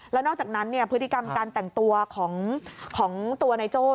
แล้วนอกจากนั้นพฤติกรรมการแต่งตัวของตัวนายโจ้